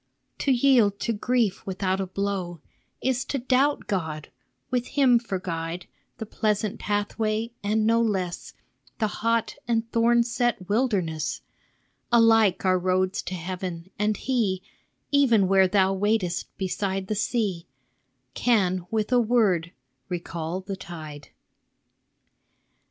" To yield to grief without a blow Is to doubt God : with him for guide, The pleasant pathway, and no less The hot and thorn set wilderness, Alike are roads to heaven, and He, Even where thou waitest beside the sea, Can with a word recall the tide."